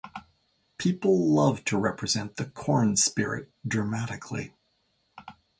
People loved to represent the corn-spirit dramatically.